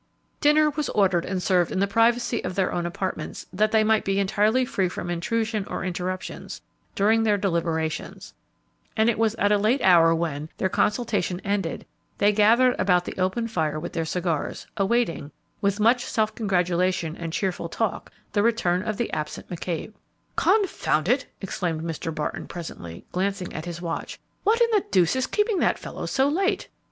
Dinner was ordered and served in the privacy of their own apartments that they might be entirely free from intrusion or interruptions during their deliberations, and it was at a late hour when, their consultation ended, they gathered about the open fire with their cigars, awaiting, with much self congratulation and cheerful talk, the return of the absent McCabe. "Confound it!" exclaimed Mr. Barton, presently, glancing at his watch; "what in the deuce is keeping that fellow so late?